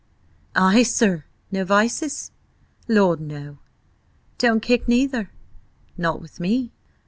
"Ay, sir. No vices?" "Lord, no!" "Don't kick neither?" "Not with me."